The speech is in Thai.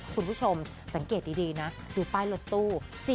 คุณผู้ชมสังเกตดีนะซื้อป้ายรถตู้๔๐๐๒๕๐